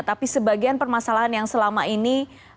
tapi sebagian permasalahan yang selama ini